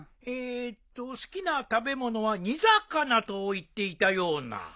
えーっと好きな食べ物は煮魚と言っていたような。